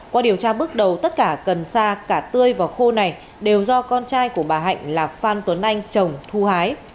qua điều tra bước đầu tất cả cần sa cả tươi và khô này đều do con trai của bà hạnh là phan tuấn anh trồng thu hái